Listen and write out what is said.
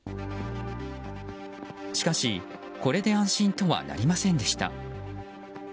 しかしこれで安心とはなりませんでした。